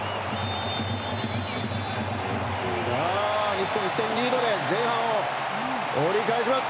日本、１点リードで前半を折り返します。